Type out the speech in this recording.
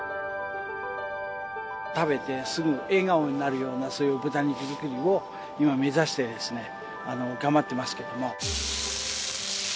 食べてすぐ笑顔になるようなそういう豚肉作りを今目指してですね頑張っていますけども。